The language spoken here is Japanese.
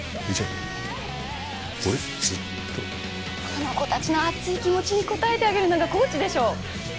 この子たちの熱い気持ちに応えてあげるのがコーチでしょ！